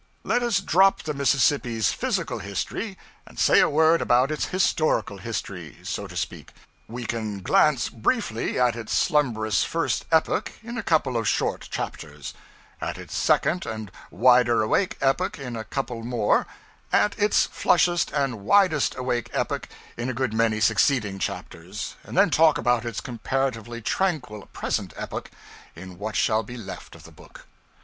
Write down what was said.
Let us drop the Mississippi's physical history, and say a word about its historical history so to speak. We can glance briefly at its slumbrous first epoch in a couple of short chapters; at its second and wider awake epoch in a couple more; at its flushest and widest awake epoch in a good many succeeding chapters; and then talk about its comparatively tranquil present epoch in what shall be left of the book.